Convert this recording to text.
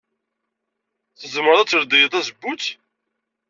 Tzemred ad tledyed tazewwut.